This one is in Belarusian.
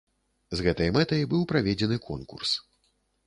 З гэтай мэтай быў праведзены конкурс.